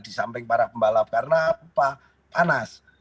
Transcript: di samping para pembalap karena panas